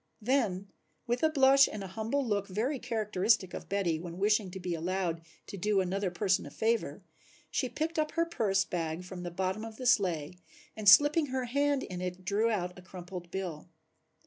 Then with a blush and an humble look very characteristic of Betty when wishing to be allowed to do another person a favor, she picked up her purse bag from the bottom of the sleigh and slipping her hand in it drew out a crumpled bill.